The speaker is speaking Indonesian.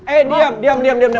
eh diam diam diam diam